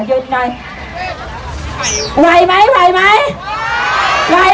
โอเคโอเคโอเคโอเคโอเคโอเคโอเค